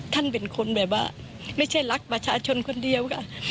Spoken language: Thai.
ท่านเป็นคนแบบว่าไม่ใช่รักประชาชนคนเดียวค่ะ